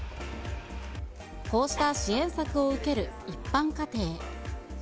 こうした支援策を受ける一般家庭。